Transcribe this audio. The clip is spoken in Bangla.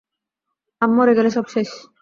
আমি মরে গেলে, সব শেষ।